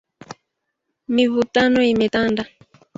Mivutano imetanda